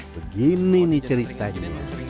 begini nih ceritanya